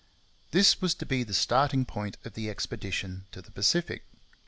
This was to be the starting point of the expedition to the Pacific.